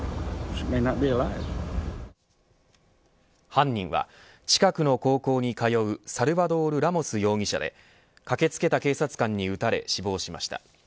犯人は近くの高校に通うサルバドール・ラモス容疑者で駆けつけた警察官に撃たれ死亡しました。